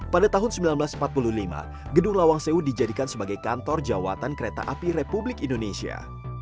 pada tahun seribu sembilan ratus empat puluh lima gedung lawang sewu dijadikan sebagai kantor jawatan kereta api republik indonesia